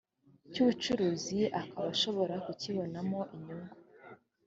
cy ubucuruzi akaba ashobora kukibonamo inyungu